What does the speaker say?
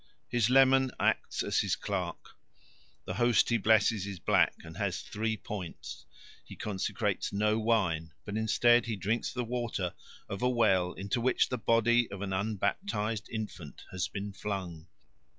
His leman acts as clerk. The host he blesses is black and has three points; he consecrates no wine, but instead he drinks the water of a well into which the body of an unbaptized infant has been flung.